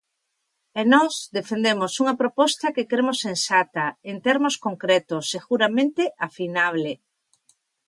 E nós defendemos unha proposta que cremos sensata, en termos concretos, seguramente afinable.